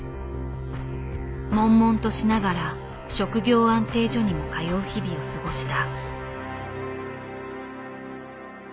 もんもんとしながら職業安定所にも通う日々を過ごした。